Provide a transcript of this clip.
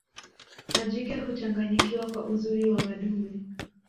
majike huchanganyikiwa kwa uzuri wa madume